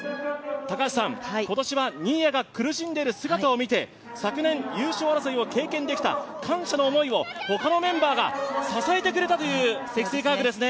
今年は新谷が苦しんでいる姿を見て、昨年優勝争いを経験できた感謝の思いを他のメンバーが支えてくれたという積水化学ですね。